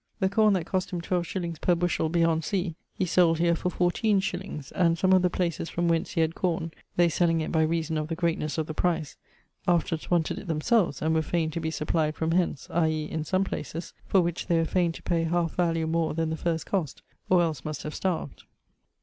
The corne that cost him 12_s._ per bushell beyond sea, he sold here for 14_s._; and some of the places from whence he had corne (they selling it by reason of the greatnesse of the price) afterwards wanted it themselves and were faine to be supplied from hence, i.e. in some places, for which they were faine to pay halfe value more then the first cost, or els must have starved.